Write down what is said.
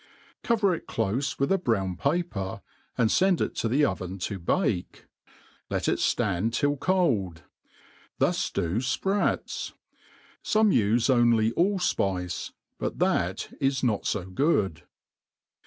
Cover it cIoTc with a brown paper, and lend it to the oven to bake; let it fland till cold. Thus do fprats. Some ufe only all fpice, .but that is not (o good.